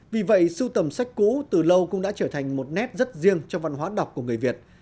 vì vậy sưu tầm sách cũ từ lâu cũng đã trở thành một nét rất riêng cho văn hóa đọc của người việt